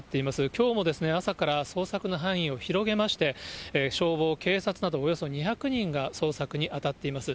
きょうも朝から捜索の範囲を広げまして、消防、警察など、およそ２００人が捜索に当たっています。